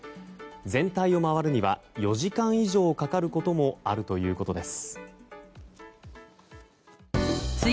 全体を回るには４時間以上かかることもあるということです。